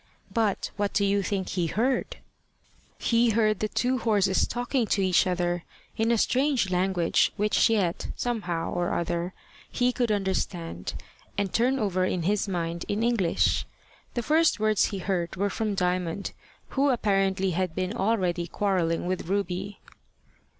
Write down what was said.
But what do you think he heard? He heard the two horses talking to each other in a strange language, which yet, somehow or other, he could understand, and turn over in his mind in English. The first words he heard were from Diamond, who apparently had been already quarrelling with Ruby.